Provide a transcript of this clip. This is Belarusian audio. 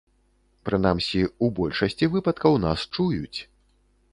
Прынамсі, у большасці выпадкаў нас чуюць!